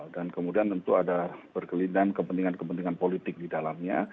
dan kemudian tentu ada berkelindahan kepentingan kepentingan politik di dalamnya